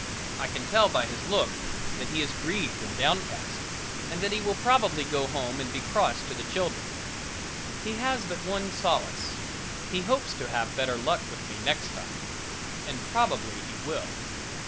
I can tell by his look that he is grieved and downcast, and that he will probably go home and be cross to the children. He has but one solace he hopes to have better luck with me next time. And probably he will.